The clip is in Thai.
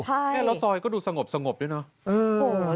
แล้วซอยก็ดูสงบดีแล้ว